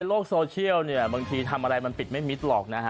โลกโซเชียลเนี่ยบางทีทำอะไรมันปิดไม่มิดหรอกนะฮะ